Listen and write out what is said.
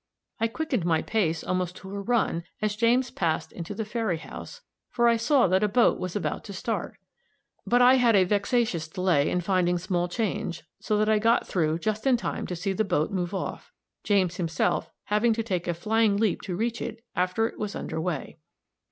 I quickened my pace almost to a run, as James passed into the ferry house, for I saw that a boat was about to start; but I had a vexatious delay in finding small change, so that I got through just in time to see the boat move off, James himself having to take a flying leap to reach it after it was under way.